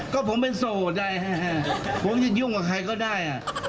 ก็ผมเป็นโศกนักผมไม่ได้ยุ่งกับใครก็ได้